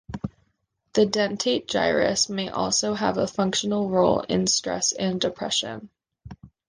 The dentate gyrus may also have a functional role in stress and depression.